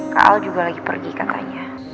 kak al juga lagi pergi katanya